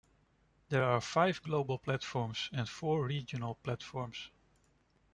There are five global platforms and four regional platforms.